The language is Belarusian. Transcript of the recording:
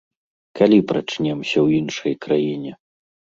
Калі прачнемся ў іншай краіне?